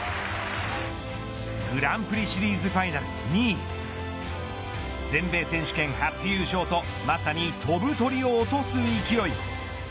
グランプリシリーズファイナル２位全米選手権初優勝とまさに飛ぶ鳥を落とす勢い。